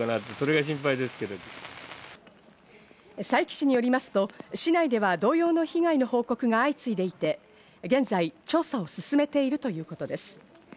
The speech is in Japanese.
佐伯市によりますと市内では同様の被害の報告が相次いでいて、現在調査を進めているということです。